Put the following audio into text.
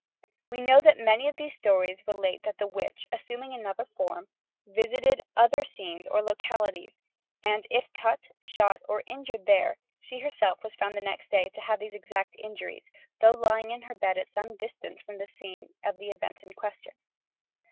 We know that many of these stories relate that the witch, assuming another form, visited other scenes or localities, and if cut, shot or injured there, she herself was found next day to have received these exact injuries, though lying in her bed at some distance from the scene of the event in question